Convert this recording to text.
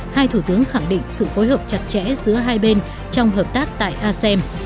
hai thủ tướng khẳng định sự phối hợp chặt chẽ giữa hai bên trong hợp tác tại asem